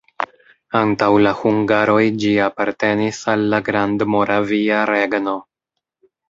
Antaŭ la hungaroj ĝi apartenis al la Grandmoravia Regno.